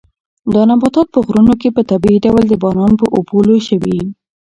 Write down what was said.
دا نباتات په غرونو کې په طبیعي ډول د باران په اوبو لوی شوي.